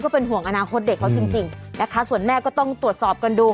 เป็นห่วงอนาคตเด็กเขาจริงนะคะส่วนแม่ก็ต้องตรวจสอบกันดู